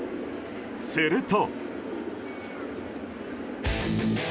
すると。